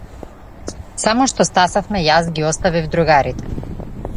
Само што стасавме јас ги оставив другарите.